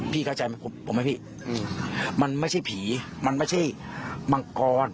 พี่เข้าใจไหมผมให้พี่อืมมันไม่ใช่ผีมันไม่ใช่มังกร